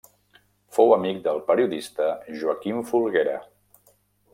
Fou amic del periodista Joaquim Folguera.